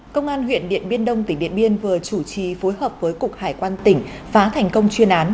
công an huyện điện biên đông tỉnh điện biên vừa chủ trì phối hợp với cục hải quan tỉnh phá thành công chuyên án